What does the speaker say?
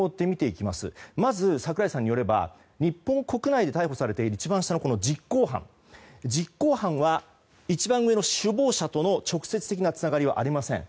まず、櫻井さんによれば日本国内で逮捕されている実行犯は一番上の首謀者との直接的なつながりはありません。